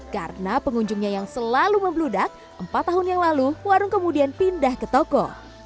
karena pengunjungnya yang selalu membludak empat tahun yang lalu warung kemudian pindah ke toko